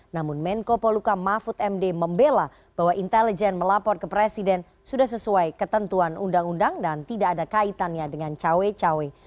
namun menko poluka mahfud md membela bahwa intelijen melapor ke presiden sudah sesuai ketentuan undang undang dan tidak ada kaitannya dengan cawe cawe